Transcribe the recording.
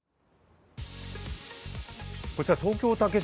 こちら、東京・竹芝。